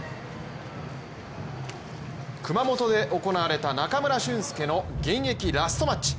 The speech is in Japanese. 熊本で行われた中村俊輔の現役ラストマッチ。